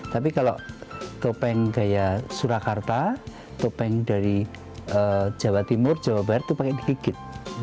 tapi kalau topeng gaya surakarta topeng dari jawa timur jawa barat itu pakai gigit